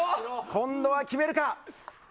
今度は決めるか。